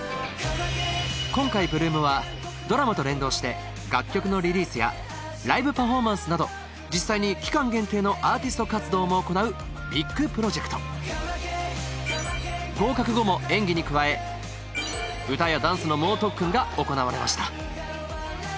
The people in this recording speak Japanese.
今回８ＬＯＯＭはドラマと連動して楽曲のリリースやライブパフォーマンスなど実際に期間限定のアーティスト活動も行うビッグプロジェクト合格後も演技に加え歌やダンスの猛特訓が行われました